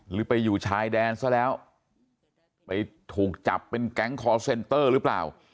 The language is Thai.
หรือไปอยู่ชายแดนซะแล้วไปถูกจับเป็นแก๊งคอร์เซนเตอร์หรือเปล่า